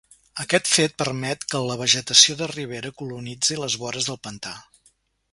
Aquest fet permet que la vegetació de ribera colonitzi les vores del pantà.